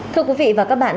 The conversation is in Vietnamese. thưa quý vị và các bạn